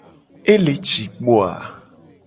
Ele ci kpo a?